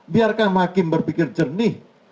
biarkan hakim berpikir jernih